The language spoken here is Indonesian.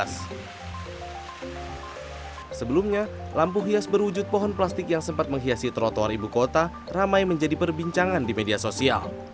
sebelumnya lampu hias berwujud pohon plastik yang sempat menghiasi trotoar ibu kota ramai menjadi perbincangan di media sosial